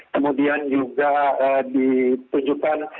kemudian juga ditunjukkan